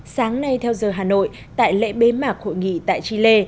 sáng nay theo giờ hà nội tại lễ bế mạc hội nghị tại chile